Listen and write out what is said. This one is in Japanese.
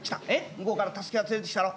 向こうから太助が連れてきたろ。